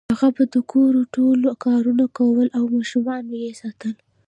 هغه به د کور ټول کارونه کول او ماشومان یې ساتل